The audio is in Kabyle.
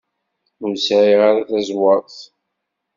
Ur sɛiɣ ara taẓwert.